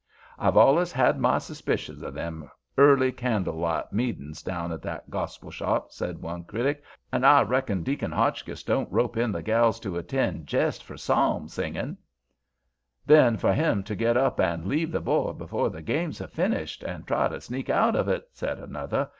"I've allus had my suspicions o' them early candle light meetings down at that gospel shop," said one critic, "and I reckon Deacon Hotchkiss didn't rope in the gals to attend jest for psalm singing." "Then for him to get up and leave the board afore the game's finished and try to sneak out of it," said another.